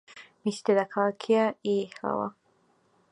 მისი დედაქალაქია იიჰლავა.